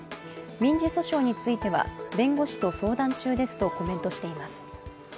民事訴訟については弁護士と相談中ですとコメントしています。